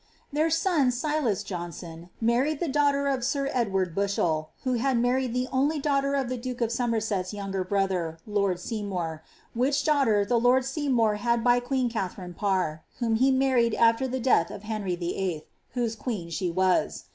"Their son Sylas Johnson^ married the daughter of sir Edward Bushel,* who had married the only daughter of the duke of Somerset's younger brother, lord Seymour, which daughter the lord Seymour had by queen Katharine Parr, whom he married after the death of Harry the Eighth, whose queen she was.